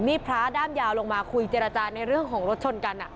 พระด้ามยาวลงมาคุยเจรจาในเรื่องของรถชนกัน